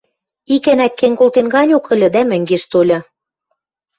Икӓнӓк кен колтен ганьок ыльы, дӓ мӹнгеш тольы.